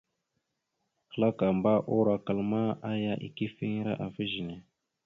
Klakamba urokal ma, aya ikefiŋire afa ezine.